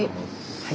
はい。